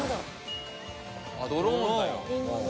ドローンだ。